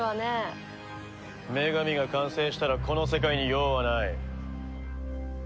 女神が完成したらこの世界に用はない。